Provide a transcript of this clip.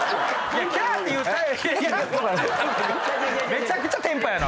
めちゃくちゃ天パやな。